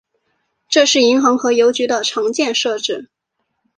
这是银行和邮局的常见设置。